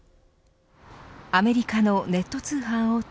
アメリカのネット通販大手